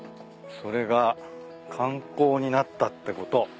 それが観光になったってこと。